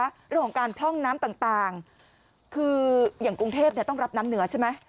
เรื่องของการพร่องน้ำต่างต่างคืออย่างกรุงเทพเนี่ยต้องรับน้ำเหนือใช่ไหม